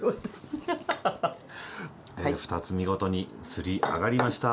で２つ見事にすりあがりました。